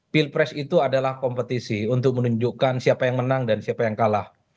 pilpres itu adalah kompetisi untuk menunjukkan siapa yang menang dan siapa yang kalah